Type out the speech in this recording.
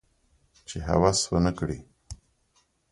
چې هوس ونه کړي